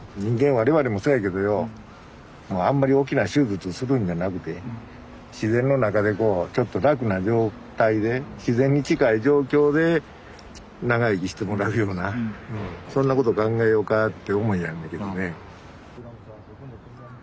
我々もそうやけどよもうあんまり大きな手術するんじゃなくて自然の中でこうちょっと楽な状態で自然に近い状況で長生きしてもらうようなそんなこと考えようかって思いやんねけどね。